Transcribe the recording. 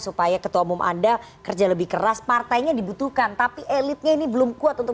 supaya ketua umum anda kerja lebih keras partainya dibutuhkan tapi elitnya ini belum kuat untuk